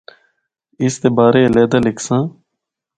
اس دے بارے علیحدہ لکھساں۔